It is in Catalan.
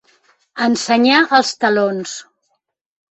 Ensenyar els talons.